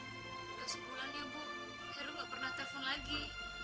udah sebulannya bu heru gak pernah telepon lagi